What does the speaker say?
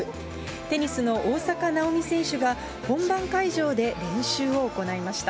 テニスの大坂なおみ選手が、本番会場で練習を行いました。